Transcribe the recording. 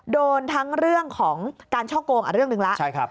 โดนทั้งเรื่องของการช่อโกงเรื่องหนึ่งแล้ว